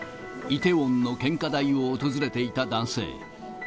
イテウォンの献花台を訪れていた男性。